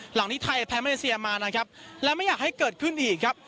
หลังนี้ไทยแพ้มาเลเซียมานะครับและไม่อยากให้เกิดขึ้นอีกครับ